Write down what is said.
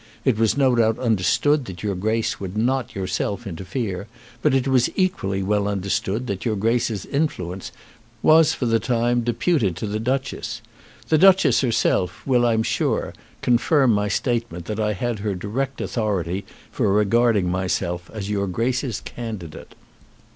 It was no doubt understood that your Grace would not yourself interfere, but it was equally well understood that your Grace's influence was for the time deputed to the Duchess. The Duchess herself will, I am sure, confirm my statement that I had her direct authority for regarding myself as your Grace's candidate.